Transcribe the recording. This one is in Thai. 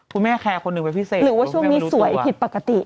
คุณแม่แคร์คนหนึ่งเป็นพิเศษหรือว่าช่วงนี้สวยผิดปกติ